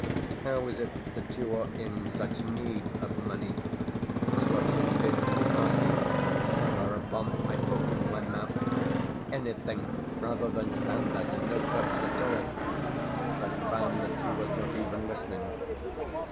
"How is it that you are in such need of money?" was what he appeared to be asking; whereupon, I opened my mouth (anything rather than stand there to no purpose at all!) but found that he was not even listening.